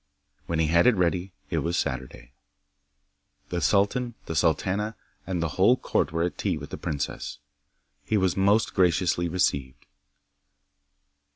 When he had it ready it was Saturday. The sultan, the sultana, and the whole court were at tea with the princess. He was most graciously received.